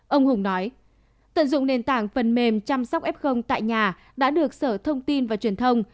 ông hùng nói tận dụng nền tảng phần mềm chăm sóc f tại nhà đã được sở thông tin và truyền thông